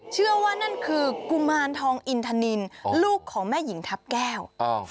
เชื่อว่านั่นคือกุมารทองอินทนินลูกของแม่หญิงทัพแก้ว